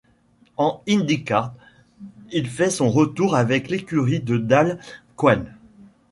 En IndyCar, il fait son retour avec l'écurie de Dale Coyne.